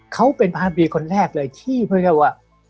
เขาเป็นภาพบีคนแรกเลยที่พูดได้ว่า